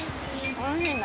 おいしいね。